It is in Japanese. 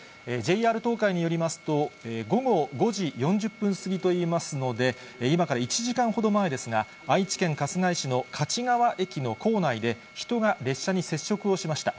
ＪＲ東海によりますと、午後５時４０分過ぎといいますので、今から１時間ほど前ですが、愛知県春日井市の勝川駅の構内で、人が列車に接触をしました。